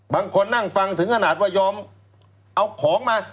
บางคนนั่งฟังถึงขนาดว่ายอมเอาของมา